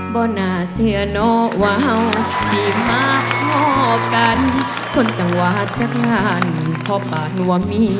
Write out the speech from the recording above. โปรดติดตามตอนต่อไป